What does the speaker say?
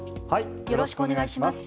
よろしくお願いします。